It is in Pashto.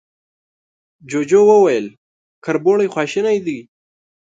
جوجو وويل، کربوړی خواشينی دی.